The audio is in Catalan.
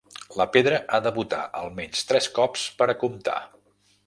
La pedra ha de botar almenys tres cops per a comptar.